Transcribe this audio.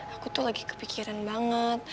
aku tuh lagi kepikiran banget